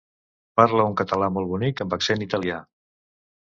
Parla un català molt bonic amb accent italià.